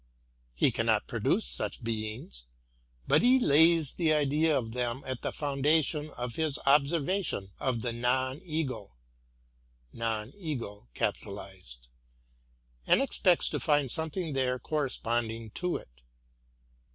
He cannot produce such beings; but he lays the idea of them at the foundation of his observation of the Non Ego, and expects to find something there corresponding to it.